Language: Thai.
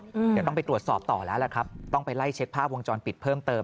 เดี๋ยวต้องไปตรวจสอบต่อแล้วล่ะครับต้องไปไล่เช็คภาพวงจรปิดเพิ่มเติม